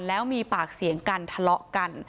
แล้วมีปากเสียงกันทะเลาะกัน